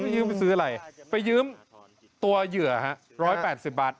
ยืมไปซื้ออะไรไปยืมตัวเหยื่อ๑๘๐บาท